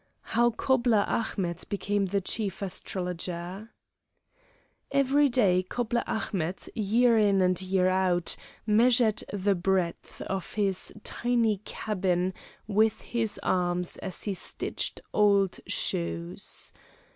HOW COBBLER AHMET BECAME THE CHIEF ASTROLOGER Every day cobbler Ahmet, year in and year out, measured the breadth of his tiny cabin with his arms as he stitched old shoes.